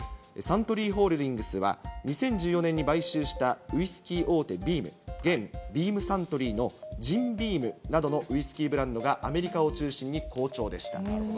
サントリーホールディングスは、２０１４年に買収したウイスキー大手、ビーム、現ビームサントリーのジムビームなどのウイスキーブランドがアメリカを中心に好調でした。